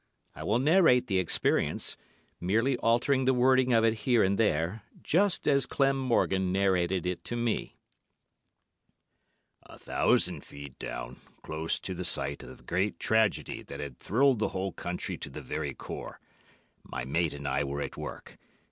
I will narrate the experience—merely altering the wording of it here and there—just as Clem Morgan narrated it to me:— "A thousand feet down, close to the site of a great tragedy that had thrilled the whole country to the very core, my mate and I were at work.